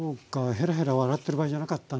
へらへら笑ってる場合じゃなかったな。